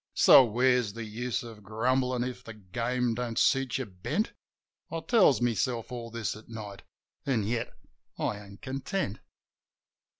So where's the use of grumblin' if the game don't suit your bent? I tells myself all this at night — an' yet I ain't content.